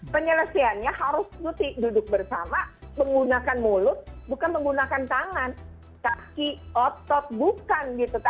penyelesaiannya harus cuti duduk bersama menggunakan mulut bukan menggunakan tangan kaki otot bukan gitu